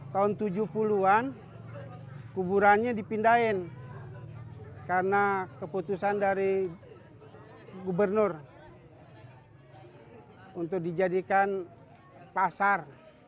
tahun tujuh puluh an kuburannya dipindahin karena keputusan dari gubernur untuk dijadikan pasar